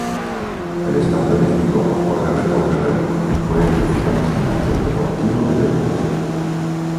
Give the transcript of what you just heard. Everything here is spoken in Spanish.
El Estadio Olímpico Pascual Guerrero de Cali fue el principal escenario deportivo del evento.